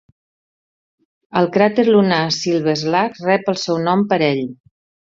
El cràter lunar Silberschlag rep el seu nom per ell.